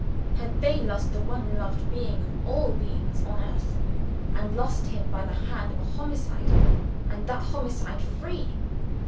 Had they lost the one loved being of all beings on earth, and lost him by the hand of a homicide and that homicide free?